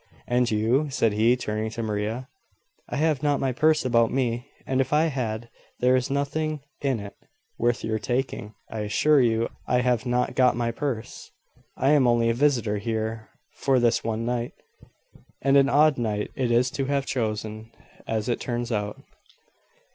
"And you?" said he, turning to Maria. "I have not my purse about me; and if I had there is nothing in it worth your taking. I assure you I have not got my purse. I am only a visitor here for this one night and an odd night it is to have chosen, as it turns out."